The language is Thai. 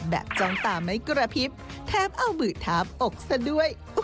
แบบจ้างตาไม่กระพิบแทบเอาหมื่นทาบอกซะด้วย